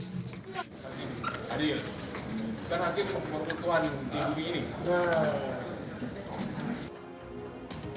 di waktu yang sama irwandi menerima imbalan atau gratifikasi sebesar satu miliar lima puluh juta rupiah secara bertahap